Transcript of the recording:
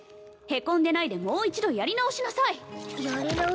へこんでないでもう一度やり直しなさいやり直す？